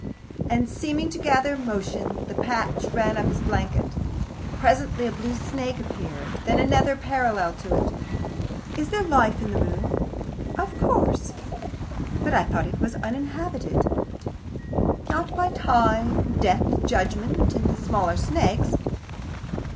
And, seeming to gather motion, the patch ran up his blanket. Presently a blue snake appeared; then another, parallel to it. "Is there life in the moon?" "Of course." "But I thought it was uninhabited." "Not by Time, Death, Judgment, and the smaller snakes."